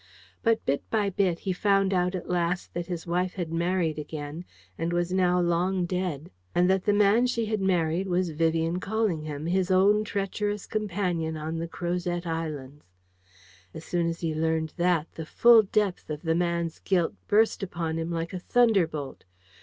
But bit by bit, he found out at last that his wife had married again, and was now long dead: and that the man she had married was Vivian Callingham, his own treacherous companion on the Crozet Islands. As soon as he learned that, the full depth of the man's guilt burst upon him like a thunderbolt.